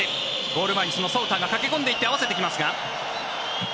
ゴール前にそのソウターが駆け込んでいって合わせてきますが。